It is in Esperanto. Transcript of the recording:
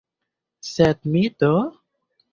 Sed mi do?